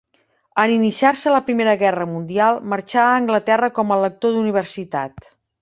En iniciar-se la primera guerra mundial marxà a Anglaterra com a lector d'Universitat.